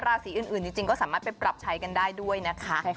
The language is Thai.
ราศีอื่นจริงก็สามารถไปปรับใช้กันได้ด้วยนะคะ